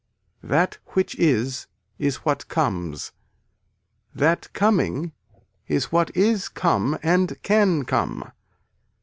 This which is is what comes, that coming is what is come and can come.